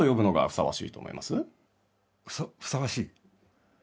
ふさふさわしい？